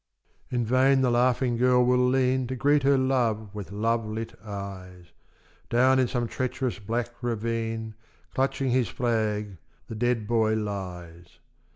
In vain the laughing girl will lean To greet her love with love lit eyes: Down in some treacherous black ravine, Clutching his flag, the dead boy lies.